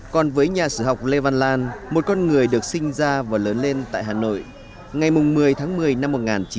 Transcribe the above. còn với nhà sử học lê văn lan một con người được sinh ra và lớn lên tại hà nội ngày một mươi tháng một mươi năm một nghìn chín trăm bảy mươi năm